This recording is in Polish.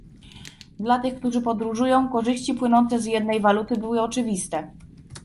Dla tych, którzy podróżują korzyści płynące z jednej waluty były oczywiste